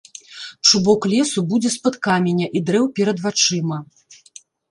Чубок лесу будзе з-пад каменя і дрэў перад вачыма.